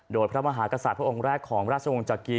โดยพระมหากษัตริย์พระองค์แรกของราชวงศ์จักรี